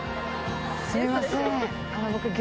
すいません。